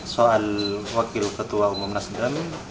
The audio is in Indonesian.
soal wakil ketua umum nasdem